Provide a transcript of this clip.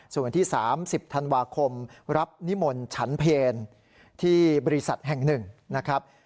ส่วนวันที่๓๐ธันวาคมรับนิมนต์ฉันเพลที่บริษัทแห่งหนึ่งนะครับ